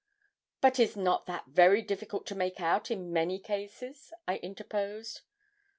'But is not that very difficult to make out in many cases?' I interposed.